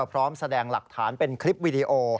พร้อมแสดงหลักฐานเป็นคลิปวิดีโอ